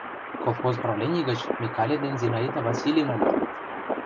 Колхоз правлений гыч Микале ден Зинаида Васильевна лектыт.